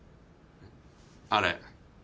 あれ。